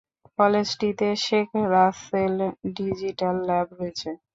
কলেজটিতে Sheikh Russel digital lab রয়েছে।